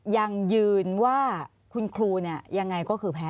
ยังยืนว่าคุณครูยังไงก็คือแพ้